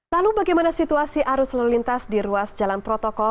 lalu bagaimana situasi arus lalu lintas di ruas jalan protokol